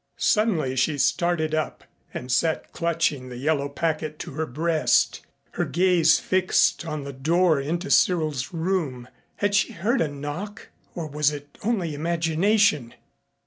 Suddenly she started up and sat clutching the yellow packet to her breast, her gaze fixed on the door into Cyril's room. Had she heard a knock? Or was it only imagination?